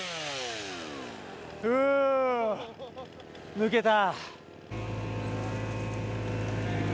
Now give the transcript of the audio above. うぅ抜けた。